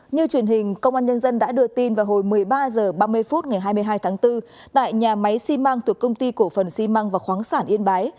như truyền hình công an nhân dân đã đưa tin vào hồi một mươi ba h ba mươi phút ngày hai mươi hai tháng bốn tại nhà máy xi măng thuộc công ty cổ phần xi măng và khoáng sản yên bái